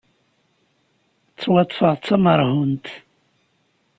Ttwaṭṭfeɣ d tamerhunt.